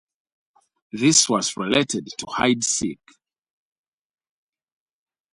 This was related to Hide Seek.